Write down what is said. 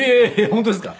本当ですか？